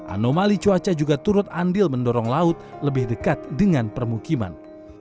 anomali cuaca juga turut andil mendorong laut lebih dekat dengan permukiman